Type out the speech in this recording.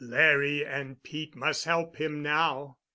Larry and Pete must help him now.